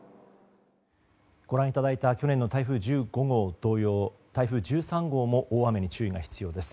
ご覧いただいた去年の台風１５号同様台風１３号も大雨に注意が必要です。